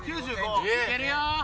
いけるよ！